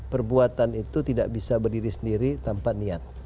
perbuatan itu tidak bisa berdiri sendiri tanpa niat